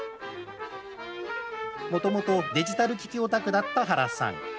もともとデジタル機器オタクだった原さん。